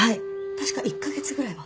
確か１カ月ぐらいは。